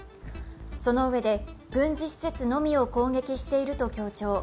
そのうえで、軍事施設のみを攻撃していると強調。